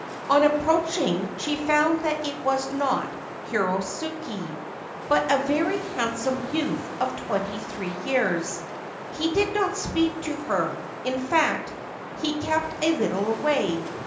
On approaching she found that it was not Kurosuke, but a very handsome youth of twenty three years. He did not speak to her ; in fact, he kept a little away.